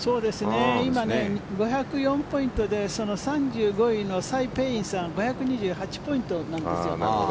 今、５０４ポイントで３５位のサイ・ペイインさん５２８ポイントなんですよ。